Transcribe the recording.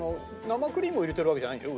生クリームを入れてるわけじゃないんだよね？